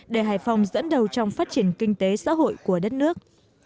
để hải phòng dẫn đầu trong phát triển kinh tế xã hội của đất nước